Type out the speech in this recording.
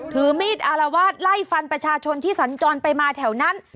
ถือมีดอารวาสไล่ฟันประชาชนที่สัญจรไปมาแถวนั้น